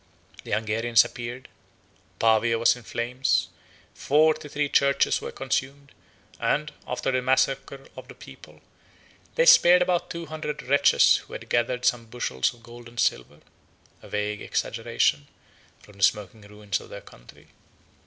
The Hungarians appeared; Pavia was in flames; forty three churches were consumed; and, after the massacre of the people, they spared about two hundred wretches who had gathered some bushels of gold and silver (a vague exaggeration) from the smoking ruins of their country.